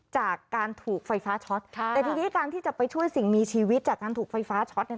จากการถูกไฟฟ้าช็อตค่ะแต่ทีนี้การที่จะไปช่วยสิ่งมีชีวิตจากการถูกไฟฟ้าช็อตเนี่ย